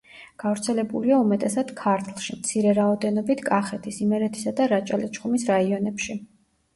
გავრცელებულია უმეტესად ქართლში, მცირე რაოდენობით კახეთის, იმერეთისა და რაჭა-ლეჩხუმის რაიონებში.